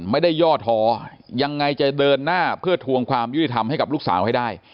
ย่อท้อยังไงจะเดินหน้าเพื่อทวงความยุติธรรมให้กับลูกสาวให้ได้